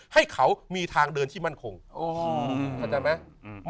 ให้เขามีทางเดินที่มั่นคงโอ้โหอืมอืมอืมอืมอืม